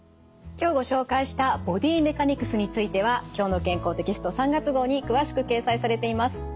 今日ご紹介したボディメカニクスについては「きょうの健康」テキスト３月号に詳しく掲載されています。